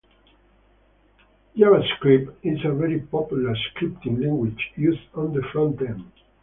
JavaScript is a very popular scripting language used on the frontend.